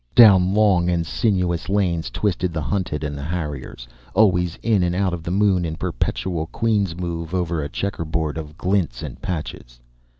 Down long and sinuous lanes twisted the hunted and the harriers, always in and out of the moon in a perpetual queen's move over a checker board of glints and patches.